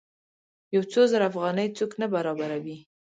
یو څو زره افغانۍ څوک نه برابروي.